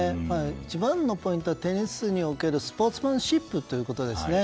一番のポイントはテニスにおけるスポーツマンシップですね。